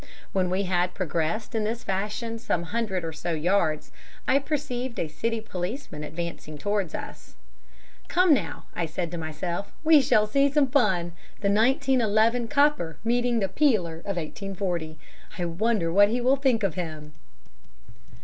When we had progressed in this fashion some hundred or so yards, I perceived a City policeman advancing towards us. "'Come, now,' I said to myself, 'we shall see some fun the 1911 copper meeting the peeler of 1840. I wonder what he will think of him.'